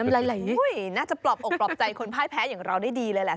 น่าจะปลบอกปลอบใจคนพ่ายแพ้อย่างเราได้ดีเลยแหละ